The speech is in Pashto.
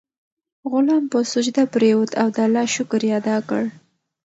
غلام په سجده پریووت او د الله شکر یې ادا کړ.